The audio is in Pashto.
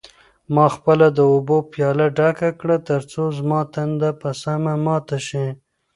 ما خپله د اوبو پیاله ډکه کړه ترڅو زما تنده په سمه ماته شي.